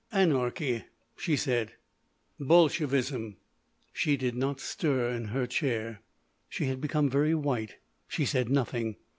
"Anarchy," she said. "Bolshevism." She did not stir in her chair. She had become very white. She said nothing.